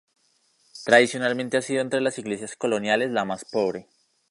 Tradicionalmente ha sido entre las iglesias coloniales, la más pobre.